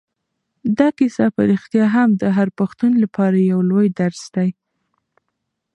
دا کیسه په رښتیا هم د هر پښتون لپاره یو لوی درس دی.